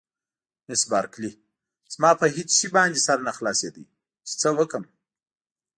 مس بارکلي: زما په هېڅ شي باندې سر نه خلاصېده چې څه وکړم.